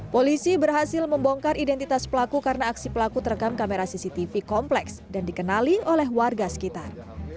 polisi berhasil membongkar identitas pelaku karena aksi pelaku terekam kamera cctv kompleks dan dikenali oleh warga sekitar